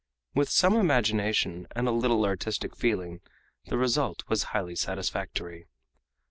With some imagination and a little artistic feeling the result was highly satisfactory.